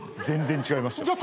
全然違いました。